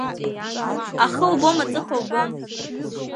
Ахы убом, аҵыхәа убом.